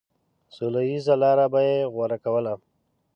سوله ييزه لاره به يې غوره کوله.